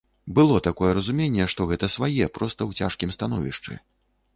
Было такое разуменне, што гэта свае, проста ў цяжкім становішчы.